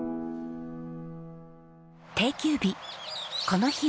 定休日。